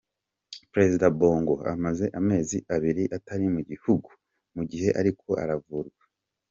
Prezida Bongo amaze amezi abiri atari mu gihugu, mu gihe ariko aravurwa.